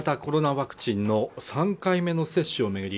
ワクチンの３回目の接種を巡り